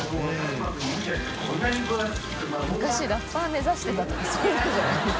昔ラッパー目指してたとかそういうのじゃないですか？